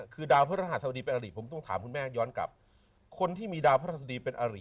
คือดาวพระสุดีน้ำผมต้องถามคุณแม่ย้อนกลับคนที่มีดาวพระสุทธิเป็นอรีคแบบนี้แล้วเป็น